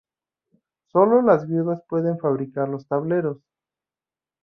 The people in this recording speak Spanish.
Solo las viudas pueden fabricar los tableros.